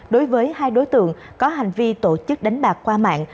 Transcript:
đối với hai đối tượng có hành vi tổ chức đánh bạc qua mạng